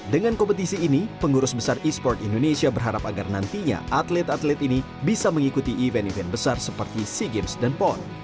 dengan kompetisi ini pengurus besar e sport indonesia berharap agar nantinya atlet atlet ini bisa mengikuti event event besar seperti sea games dan pon